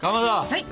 はい！